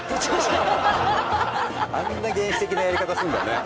あんな原始的なやり方するんだね。